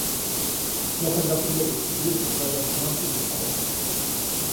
Я тогда приеду к тебе, если твоя жена будет хорошая.